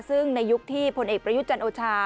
ซึ่งในยุคที่พลเอกประยุทธ์จันโอชา